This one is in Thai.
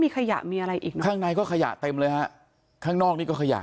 มีขยะมีอะไรอีกเนอะข้างในก็ขยะเต็มเลยฮะข้างนอกนี่ก็ขยะ